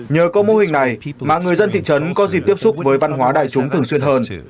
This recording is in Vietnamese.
nhờ có mô hình này mạng người dân thị trấn có dịp tiếp xúc với văn hóa đại chúng thường xuyên hơn